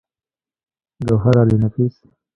ګوهرعلي نفيس